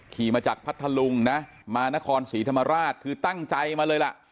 ขี่มาจากพัทธลุงนะมานครศรีธรรมราชคือตั้งใจมาเลยล่ะ